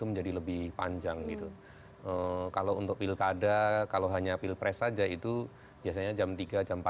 menjalankan tugas sebagai petugas kpps